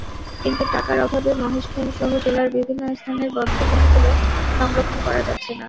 কিন্তু টাকার অভাবে মহেশখালীসহ জেলার বিভিন্ন স্থানের বধ্যভূমিগুলো সংরক্ষণ করা যাচ্ছে না।